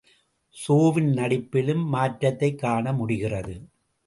சோவின் நடிப்பிலும் மாற்றத்தைக் காணமுடிகிறது.